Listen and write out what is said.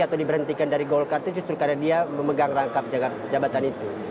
atau diberhentikan dari golkar itu justru karena dia memegang rangkap jabatan itu